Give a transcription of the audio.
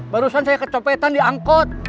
barusan saya kecopetan diangkut